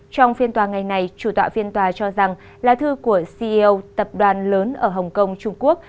trong phiên tòa ngày này chủ tọa phiên tòa cho rằng lá thư của ceo tập đoàn lớn ở hồng kông trung quốc